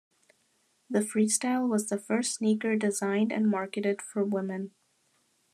The Freestyle was the first sneaker designed and marketed for women.